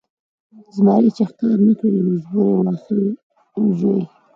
زمری چې ښکار نه کړي له مجبورۍ واښه ژوي.